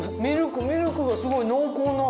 ミルクがすごい濃厚な。